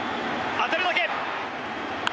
当てるだけ。